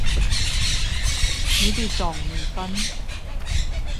你哋仲未瞓？